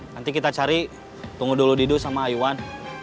nanti kita cari tunggu dulu didu sama iwan